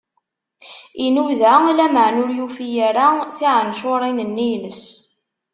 Inuda, lameɛna ur yufi ara tiɛencuṛin-nni-ines.